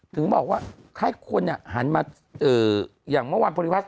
ถึงบอกว่าถ้าให้คนอ่ะหันมาเอ่ออย่างเมื่อวานผลิภาษณ์